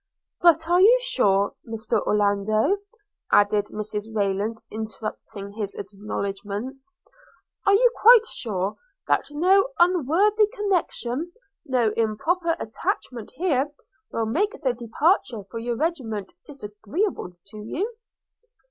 'But are you sure, Mr Orlando,' added Mrs Rayland interrupting his acknowledgments – 'are you quite sure that no unworthy connection, no improper attachment here, will make the departure for your regiment disagreeable to you?'